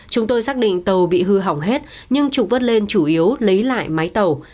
chúng tôi xác định tàu bị hư hỏng hết nhưng trục vớt lên chủ yếu lấy lại máy tàu